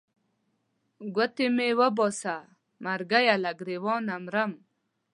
ګوتې مې وباسه مرګیه له ګرېوانه نه مرم.